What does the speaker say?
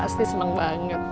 pasti seneng banget